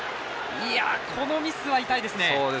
このミスは痛いですね。